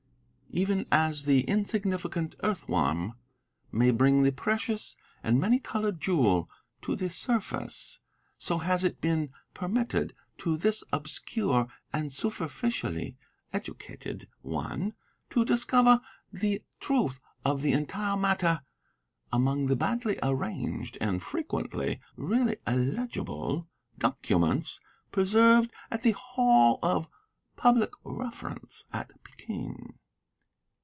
Even as the insignificant earth worm may bring the precious and many coloured jewel to the surface, so has it been permitted to this obscure and superficially educated one to discover the truth of the entire matter among the badly arranged and frequently really illegible documents preserved at the Hall of Public Reference at Peking.